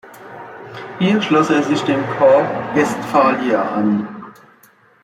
Hier schloss er sich dem Corps Guestphalia an.